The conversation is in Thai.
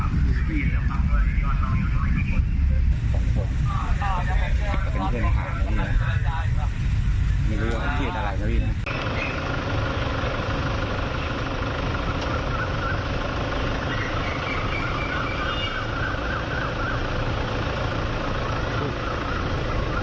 ไม่รู้ว่าเอาพี่เอาอะไรนะวิน่ะ